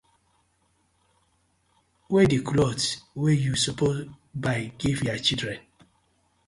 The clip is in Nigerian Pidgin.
Wey di clothe wey yu suppose buy giv yah children?